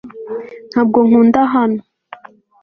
ntabwo nkunda hano